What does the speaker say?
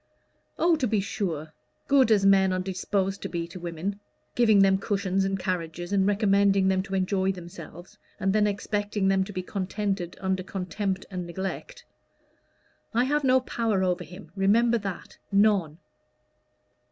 "Oh, to be sure good as men are disposed to be to women, giving them cushions and carriages, and recommending them to enjoy themselves, and then expecting them to be contented under contempt and neglect. I have no power over him remember that none."